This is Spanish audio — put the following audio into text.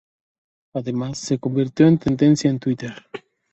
Además, se convirtió en tendencia en Twitter.